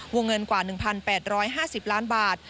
วงเงินกว่า๑๘๕๐ล้านบาท